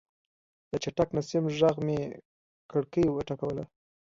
د چټک نسیم غږ مې کړکۍ وټکوله.